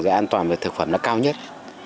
và an toàn về thực phẩm nó cao nhất